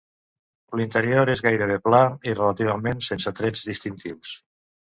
L'interior és gairebé pla i relativament sense trets distintius.